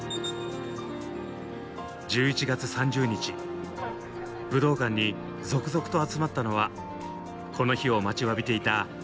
１１月３０日武道館に続々と集まったのはこの日を待ちわびていたたくさんのファンたち。